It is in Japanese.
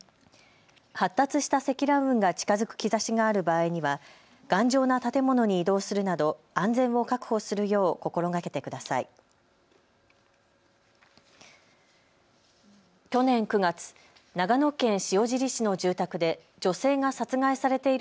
発達した積乱雲が近づく兆しがある場合には頑丈な建物に移動するなど安全を確保するよう心がけてください。